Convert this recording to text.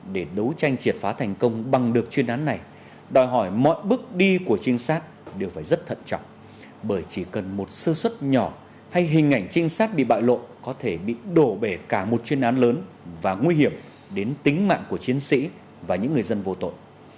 để đấu tranh triệt phá thành công bằng được chuyên án này đòi hỏi mọi bước đi của trinh sát đều phải rất thận trọng bởi chỉ cần một sơ xuất nhỏ hay hình ảnh trinh sát bị bạo lộ có thể bị đổ bể cả một chuyên án lớn và nguy hiểm đến tính mạng của chiến sĩ và những người dân vô tội